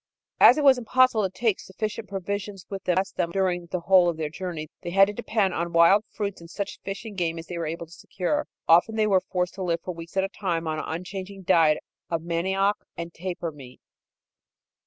As it was impossible to take sufficient provisions with them to last them during the whole of their journey, they had to depend on wild fruits and such fish and game as they were able to secure. Often they were forced to live for weeks at a time on an unchanging diet of manioc and tapir meat.